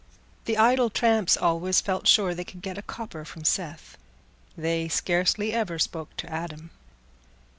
The idle tramps always felt sure they could get a copper from Seth; they scarcely ever spoke to Adam.